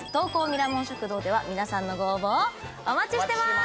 ミラモン食堂では皆さんのご応募をお待ちしてます！